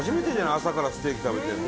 朝からステーキ食べてるの。